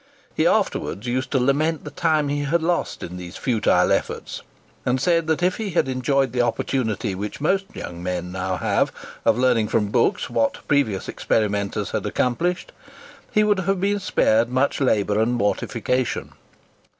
He afterwards used to lament the time he had lost in these futile efforts, and said that if he had enjoyed the opportunity which most young men now have, of learning from books what previous experimenters had accomplished, he would have been spared much labour and mortification.